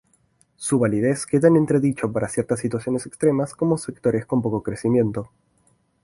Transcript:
Su validez queda en entredicho para ciertas situaciones extremas como sectores con poco crecimiento.